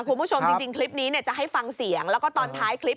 คุณผู้ชมจริงคลิปนี้เนี่ยจะให้ฟังเสียงแล้วก็ตอนท้ายคลิป